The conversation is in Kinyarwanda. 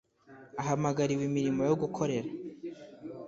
ahamagariwe imirimo yo gukorera